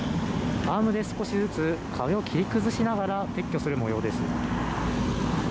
アームで少しずつ壁を切り崩しながら撤去する模様です。